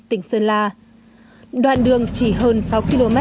tỉnh sơ la đoạn đường chỉ hơn sáu km